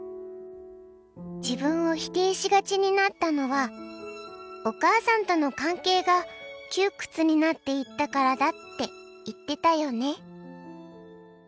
自分を否定しがちになったのはお母さんとの関係が窮屈になっていったからだって言ってたよね。